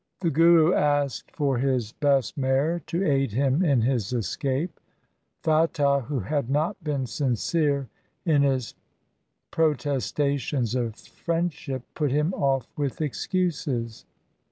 The Guru asked for his best mare to aid him in his escape. Fatah, who had not been sincere in his protestations of friendship, put him off with excuses.